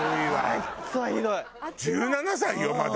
１７歳よまだ。